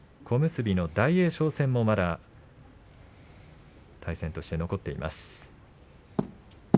小結の大栄翔戦もまだ対戦として残っています。